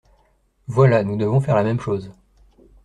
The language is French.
Voilà, nous devons faire la même chose.